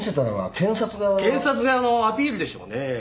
検察側のアピールでしょうね。